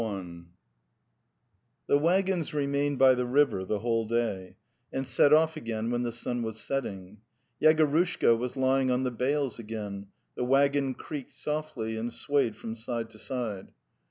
VI The waggons remained by the river the whole day, and set off again when the sun was setting. Yegorushka was lying on the bales again; the waggon creaked softly and swayed from side to side.